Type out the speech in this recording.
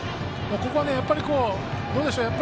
ここは、どうでしょう。